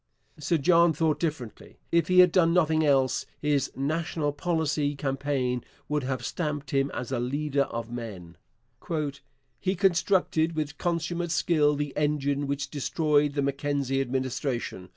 Sir John thought differently. If he had done nothing else, his 'National Policy' campaign would have stamped him as a leader of men. In the words of a political opponent of the time, 'he constructed with consummate skill the engine which destroyed the Mackenzie Administration.